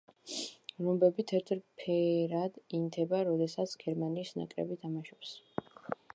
რომბები თეთრ ფერად ინთება, როდესაც გერმანიის ნაკრები თამაშობს.